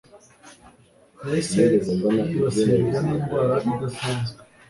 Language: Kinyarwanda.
Yahise yibasirwa n'indwara idasanzwe.